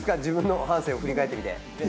自分の半生を振り返ってみて。